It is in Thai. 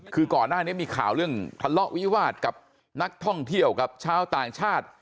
คือก่อนหน้านี้มีข่าวเรื่องทะเลาะวิวาสกับนักท่องเที่ยวกับชาวต่างชาติ